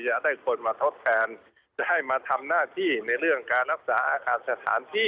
จะได้คนมาทดแทนจะให้มาทำหน้าที่ในเรื่องการรักษาอาคารสถานที่